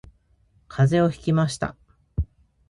風邪をひきました